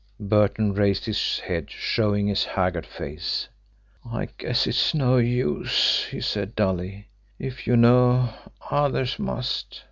Burton raised his head, showing his haggard face. "I guess it's no use," he said dully. "If you know, others must.